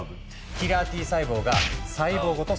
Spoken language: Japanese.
キラーＴ細胞が細胞ごとせん滅する。